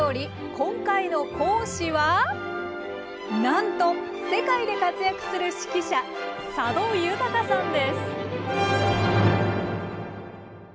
今回の講師はなんと世界で活躍する指揮者佐渡裕さんです。